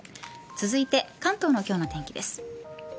続いて、関東の今日の天気です。